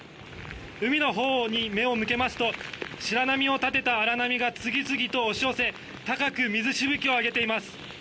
海のほうに目を向けますと白波を立てた荒波が次々と押し寄せ高く水しぶきを上げています。